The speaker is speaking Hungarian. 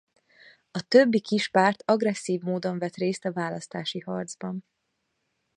A többi kis párt agresszív módon vett részt a választási harcban.